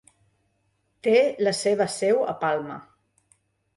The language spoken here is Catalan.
Té la seva seu a Palma.